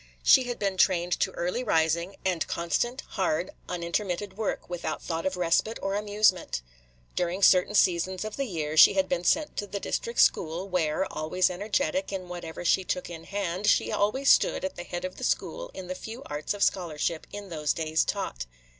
She had been trained to early rising, and constant, hard, unintermitted work, without thought of respite or amusement. During certain seasons of the year she had been sent to the district school, where, always energetic in whatever she took in hand, she always stood at the head of the school in the few arts of scholarship in those days taught.